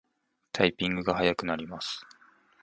タイピングが早くなります